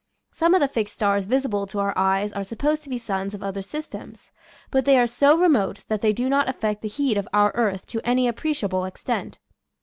Some of the fixed stars visible to our eyes are supposed to be suns of other systems, but they are so remote that they do not affect the heat of our earth to any appreciable extent.